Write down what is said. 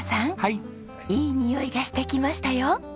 いいにおいがしてきましたよ。